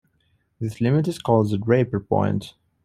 This limit is called the Draper point.